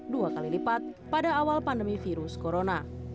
dua kali lipat pada awal pandemi virus corona